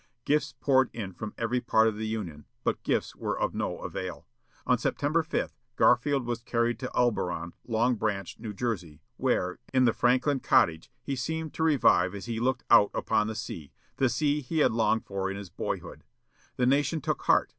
Gifts poured in from every part of the Union, but gifts were of no avail. On September 5, Garfield was carried to Elberon, Long Branch, New Jersey, where, in the Francklyn Cottage, he seemed to revive as he looked out upon the sea, the sea he had longed for in his boyhood. The nation took heart.